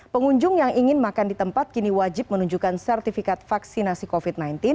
pengunjung yang ingin makan di tempat kini wajib menunjukkan sertifikat vaksinasi covid sembilan belas